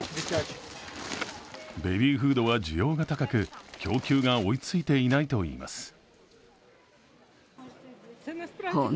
ベビーフードは需要が高く供給は追いついていないといいます。